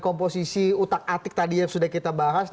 komposisi utak atik tadi yang sudah kita bahas